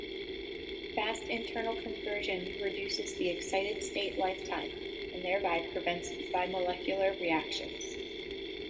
Fast internal conversion reduces the excited state lifetime, and thereby prevents bimolecular reactions.